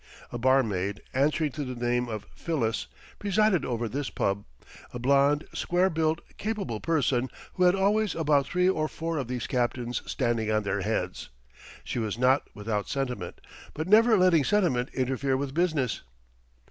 A barmaid, answering to the name of Phyllis, presided over this pub, a blond, square built, capable person, who had always about three or four of these captains standing on their heads. She was not without sentiment, but never letting sentiment interfere with business.